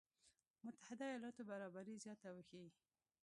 متحده ایالاتو برابري زياته وښيي.